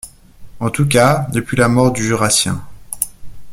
En tout cas, depuis la mort du Jurassien